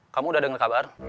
kamu udah denger kabar